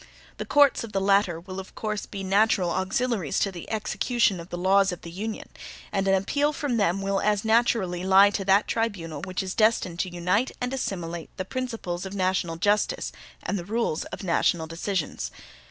The courts of the latter will of course be natural auxiliaries to the execution of the laws of the Union, and an appeal from them will as naturally lie to that tribunal which is destined to unite and assimilate the principles of national justice and the rules of national decisions.